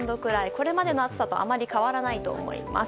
これまでの暑さとあまり変わらないと思います。